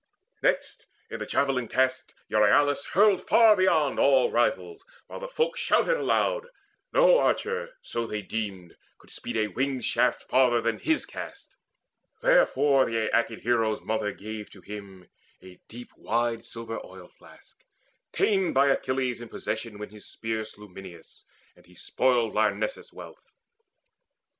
Next, in the javelin cast Euryalus Hurled far beyond all rivals, while the folk Shouted aloud: no archer, so they deemed, Could speed a winged shaft farther than his cast; Therefore the Aeacid hero's mother gave To him a deep wide silver oil flask, ta'en By Achilles in possession, when his spear Slew Mynes, and he spoiled Lyrnessus' wealth.